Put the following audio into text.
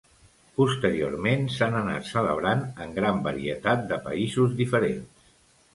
Posteriorment s'han anat celebrant en gran varietat de països diferents.